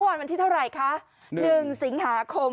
รางวัลวันที่เท่าไรคะ๑สิงหาคม